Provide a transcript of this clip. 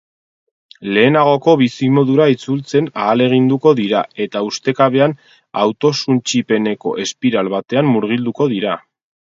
Lehenagoko bizimodura itzultzen ahaleginduko dira eta ustekabean autosuntsipeneko espiral batean murgilduko dira.